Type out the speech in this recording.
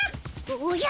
おおじゃ。